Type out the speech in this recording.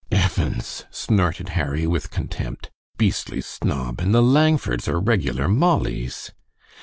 "Evans!" snorted Harry, with contempt; "beastly snob, and the Langfords are regular Mollies!"